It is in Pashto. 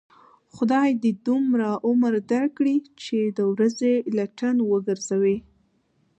خدای دې دومره عمر در کړي، چې د ورځې لټن و گرځوې.